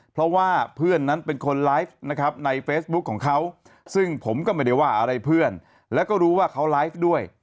เพราะว่าเพื่อนนั้นเป็นคนไลฟ์นะครับในเฟซบุ๊คของเขาซึ่งผมก็ไม่ได้ว่าอะไรเพื่อนแล้วก็รู้ว่าเขาไลฟ์ด้วย